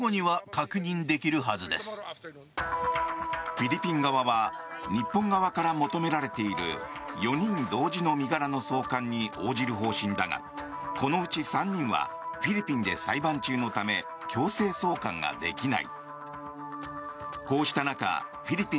フィリピン側は日本側から求められている４人同時の身柄の送還に応じる方針だがこのうち３人はフィリピンで裁判中のため強制送還ができない。